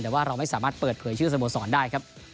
แต่ว่าเราไม่สามารถเปิดเผยชื่อสโมสรได้ครับ